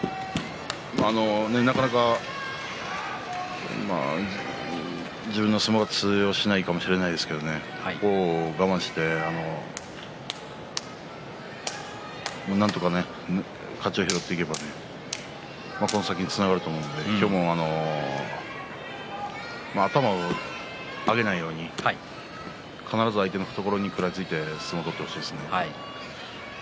なかなか自分の相撲が通用しないかもしれませんがここを我慢してなんとか勝ちを拾っていけばこの先につながると思うので今日も頭を上げないように必ず相手の懐に食らいついて相撲を取ってほしいですね。